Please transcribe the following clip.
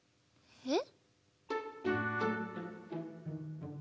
えっ？